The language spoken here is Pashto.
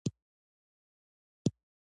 ایران د درناوي وړ دی.